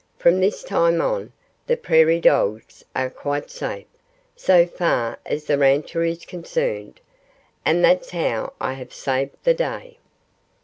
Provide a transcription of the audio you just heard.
"From this time on, the Prairie Dogs are quite safe so far as the rancher is concerned. ... And that's how I have saved the day."